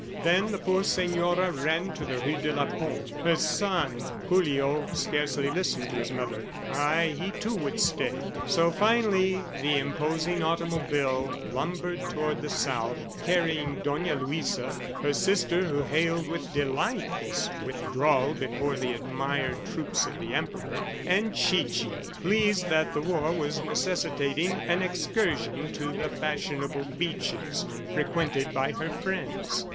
Then the poor senora ran to the rue de la Pompe. Her son! ... Julio scarcely listened to his mother. Ay! he, too, would stay. So finally the imposing automobile lumbered toward the South carrying Dona Luisa, her sister who hailed with delight this withdrawal before the admired troops of the Emperor, and Chichi, pleased that the war was necessitating an excursion to the fashionable beaches frequented by her friends.